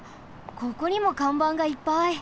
ここにもかんばんがいっぱい！